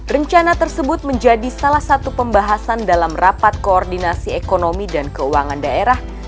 rencana tersebut menjadi salah satu pembahasan dalam rapat koordinasi ekonomi dan keuangan daerah